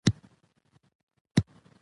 یاقوت د افغانستان د بشري فرهنګ برخه ده.